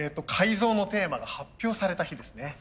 改造のテーマが発表された日ですね。